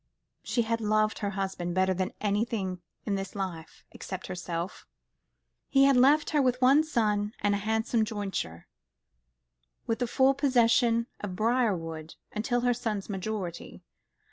She had loved her husband better than anything in this life, except herself. He left her with one son and a handsome jointure, with the full possession of Briarwood until her son's majority.